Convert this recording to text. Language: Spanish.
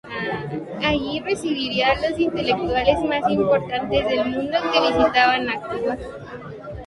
Allí recibiría a los intelectuales más importantes del mundo que visitaban a Cuba.